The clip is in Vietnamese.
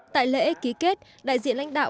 tại lễ ký kết đại diện lãnh đạo